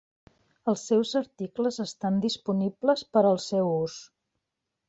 Els seus articles estan disponibles per al seu ús.